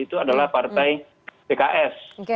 itu adalah partai pks